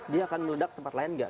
dia akan meledak ke tempat lain enggak